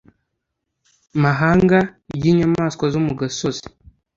mahanga ry inyamaswa zo mu gasozi